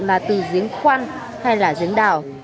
là từ giếng khoan hay là giếng đảo